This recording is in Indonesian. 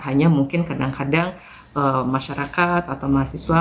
hanya mungkin kadang kadang masyarakat atau mahasiswa